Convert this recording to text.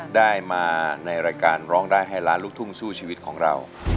ได้มาในรายการร้องได้ให้ล้านลูกทุ่งสู้ชีวิตของเรา